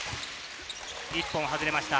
１本、外れました。